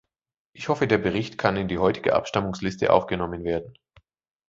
Ich hoffe, der Bericht kann in die heutige Abstimmungsliste aufgenommen werden.